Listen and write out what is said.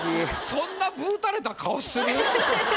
そんなぶうたれた顔する？